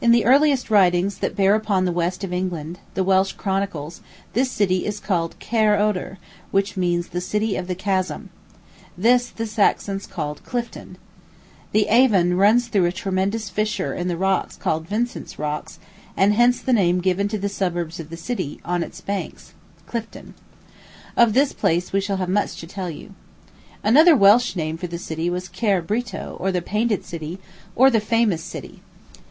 In the earliest writings that bear upon the west of England the Welsh Chronicles this city is called Caër oder, which means the city of the Chasm. This the Saxons called Clifton. The Avon runs through a tremendous fissure in the rocks called Vincent's Rocks; and hence the name given to the suburbs of the city, on its banks Clifton. Of this place we shall have much to tell you. Another Welsh name for the city was Caër Brito, or the painted city, or the famous city.